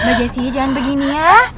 mbak desi jangan begini ya